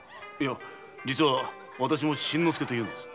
実はわたしも新之助というのです。